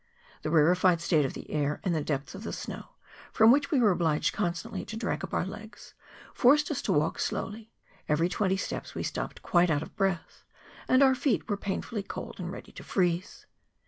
The rarefied state of the air and the depth of the snow, from which we were obliged constantly to drag up our legs, forced us to walk slowly; every twenty steps we stopped quite out of breath, and our feet were painfully cold and ready to freeze.